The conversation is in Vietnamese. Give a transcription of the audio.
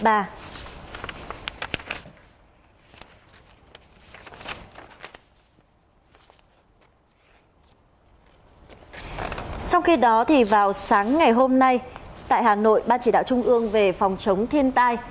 trong khi đó thì vào sáng ngày hôm nay tại hà nội ban chỉ đạo trung ương về phòng chống thiên tai